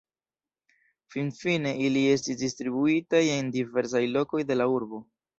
Finfine ili estis distribuitaj en diversaj lokoj de la urbo.